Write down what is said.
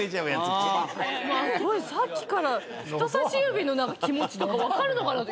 さっきから人さし指の気持ちとか分かるのかなって。